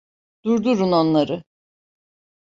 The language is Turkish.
Durdurun onları!